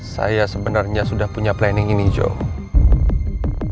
saya sebenarnya sudah punya planning ini joe